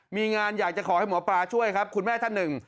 มีงานอยากจะขอให้หมอปลาช่วยครับคุณแม่ท่านหนึ่ง